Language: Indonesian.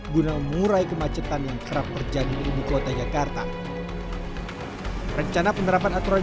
guna mengurai kemacetan yang kerap berjadi di ibukota jakarta rencana penerapan aturan